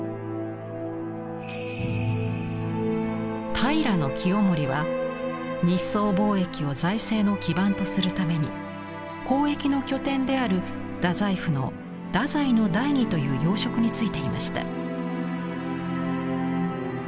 平清盛は日宋貿易を財政の基盤とするために交易の拠点である大宰府の大宰大弐という要職に就いていました。